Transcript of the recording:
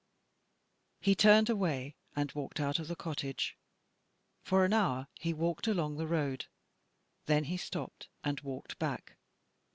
He turned away and walked out of the cottage. For an hour he walked along the road. Then he stopped and walked back.